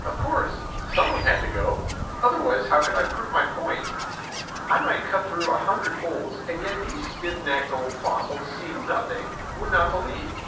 "Of course. Someone has to go; otherwise, how could I prove my point? I might cut through a hundred holes and yet these stiff necked old fossils, seeing nothing, would not believe.